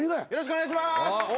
お願いします。